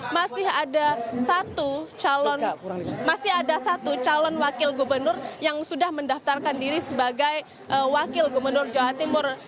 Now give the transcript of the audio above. masih ada satu calon wakil gubernur yang sudah mendaftarkan diri sebagai wakil gubernur jawa timur